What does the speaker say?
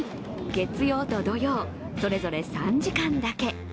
月曜と土曜、それぞれ３時間だけ。